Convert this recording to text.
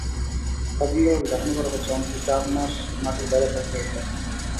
প্রাথমিকভাবে ধারণা করা হচ্ছে, অন্তত চার মাস মাঠের বাইরে থাকতে হবে তাঁকে।